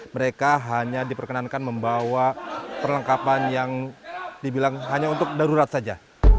mereka hanya diperkenankan membawa perlengkapan yang dibilang hanya untuk darurat saja